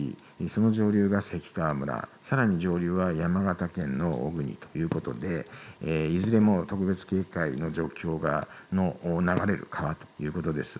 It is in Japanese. その上流が関川村さらに上流は山形県の小国ということでいずれも特別警戒の状況が流れている川ということです。